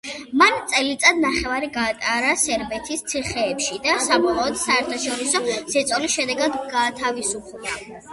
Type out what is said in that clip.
მან წელიწად-ნახევარი გაატარა სერბეთის ციხეებში და საბოლოოდ საერთაშორისო ზეწოლის შედეგად, გათავისუფლდა.